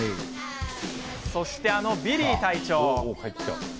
そして、あのビリー隊長。